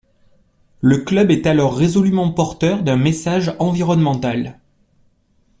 Le club est alors résolument porteur d’un message environnemental.